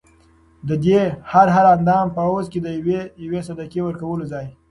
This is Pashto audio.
ددې هر هر اندام په عوض کي د یوې یوې صدقې ورکولو په ځای